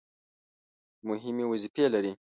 مهمې وظیفې لري.